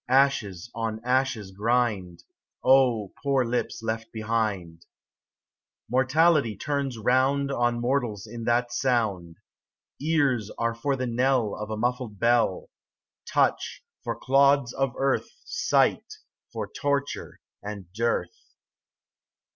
Ashes on ashes grind : O poor lips left behind I Mortality turns round On mortals in that sound : Ears are for the knell Of a muffled bell: Touch, for clods of earth ; Sight, for torture and dearth.